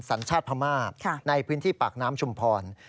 สัญชาติพม่าในพื้นที่ปากน้ำชุมพร